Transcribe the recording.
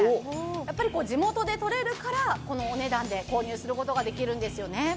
やっぱり地元でとれるからこのお値段で購入することができるんですよね。